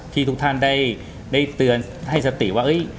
ที่ทุกท่านได้ได้เตือนให้สติว่าเอ้ย